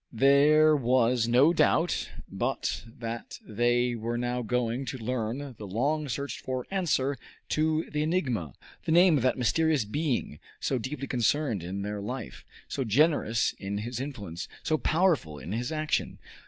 There was no doubt but that they were now going to learn the long searched for answer to the enigma, the name of that mysterious being, so deeply concerned in their life, so generous in his influence, so powerful in his action!